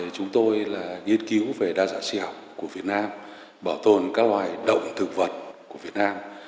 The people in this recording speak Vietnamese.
chúng tôi nghiên cứu về đa dạng sinh học của việt nam bảo tồn các loài động thực vật của việt nam